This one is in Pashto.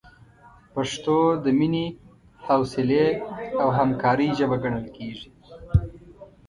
پښتو د مینې، حوصلې، او همکارۍ ژبه ګڼل کېږي.